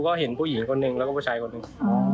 ก็เห็นผู้หญิงคนหนึ่งแล้วก็ผู้ชายคนหนึ่ง